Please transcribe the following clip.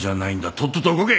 とっとと動け！